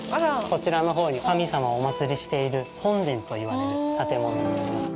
こちらのほう、神様をお祀りしている本殿と言われる建物になります。